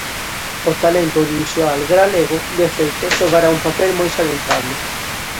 O talento audiovisual galego, de feito, xogará un papel moi salientable.